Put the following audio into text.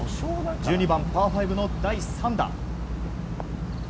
１２番、パー５の第３打。